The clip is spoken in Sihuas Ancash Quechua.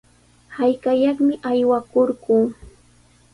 Hallqayaqmi aywakurquu.